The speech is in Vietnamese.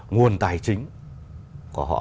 nguồn tài chính của họ